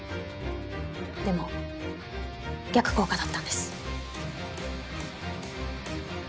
でも逆効果だったんです。